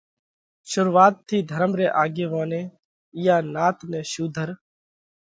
شرُوعات ٿِي ڌرم ري آڳيووني اِيئا نات نئہ شُوڌر